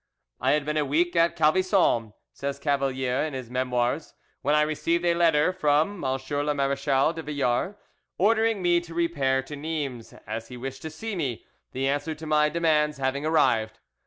'" "I had been a week at Calvisson," says Cavalier in his Memoirs, "when I received a letter from M. le Marechal de Villars ordering me to repair to Nimes, as he wished to see me, the answer to my demands having arrived.